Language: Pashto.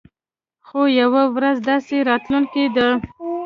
خو يوه ورځ داسې راتلونکې ده.